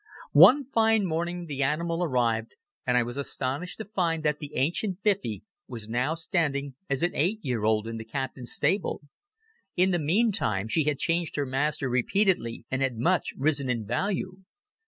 One fine morning, the animal arrived and I was astonished to find that the ancient Biffy was now standing as an eight year old in the Captain's stable. In the meantime, she had changed her master repeatedly, and had much risen in value.